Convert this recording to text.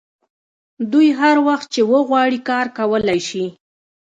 دوی هر وخت چې وغواړي کار کولی شي